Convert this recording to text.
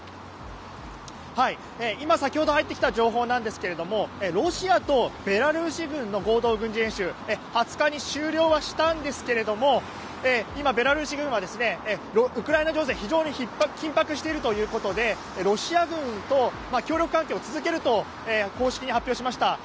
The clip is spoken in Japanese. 今、先ほど入ってきた情報ですがロシアとベラルーシ軍の合同軍事演習２０日に終了はしたんですが今、ベラルーシ軍はウクライナ情勢は非常に緊迫しているということでロシア軍と協力関係を続けると公式に発表しました。